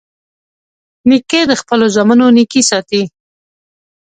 نیکه د خپلو زامنو نیکي ستايي.